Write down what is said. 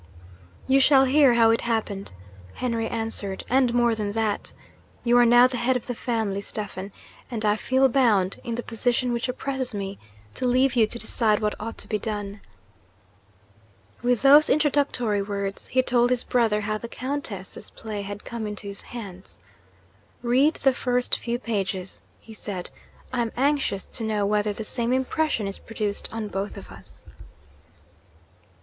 'You shall hear how it happened,' Henry answered; 'and more than that. You are now the head of the family, Stephen; and I feel bound, in the position which oppresses me, to leave you to decide what ought to be done.' With those introductory words, he told his brother how the Countess's play had come into his hands. 'Read the first few pages,' he said. 'I am anxious to know whether the same impression is produced on both of us.'